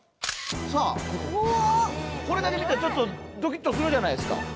さあこれだけ見たらちょっとドキッとするじゃないですか。